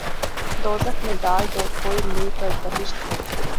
دوزخ میں ڈال دو‘ کوئی لے کر بہشت کو